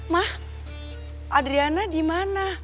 ma adriana dimana